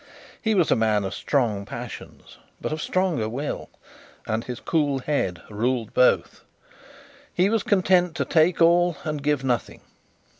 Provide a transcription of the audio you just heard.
He was a man of strong passions, but of stronger will, and his cool head ruled both. He was content to take all and give nothing.